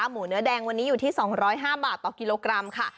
หมูเนื้อแดงวันนี้อยู่ที่๒๐๕บาทต่อกิโลกรัมค่ะ